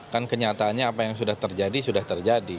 kan kenyataannya apa yang sudah terjadi sudah terjadi